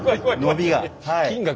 伸びが。